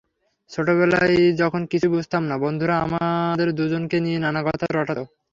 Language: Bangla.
ছোটবেলায় যখন কিছুই বুঝতাম না, বন্ধুরা আমাদের দুজনকে নিয়ে নানা কথা রটাত।